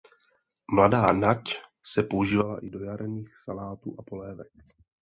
Mladá nať se používala i do jarních salátů a polévek.